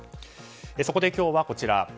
そこで今日はこちら。